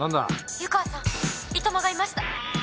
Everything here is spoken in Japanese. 湯川さん糸間がいました。